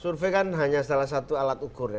survei kan hanya salah satu alat penelitian